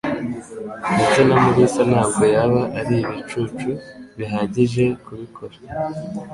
Ndetse na Mulisa ntabwo yaba ari ibicucu bihagije kubikora.